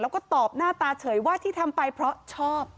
แล้วก็ตอบหน้าตาเฉยว่าที่ทำไปเพราะชอบ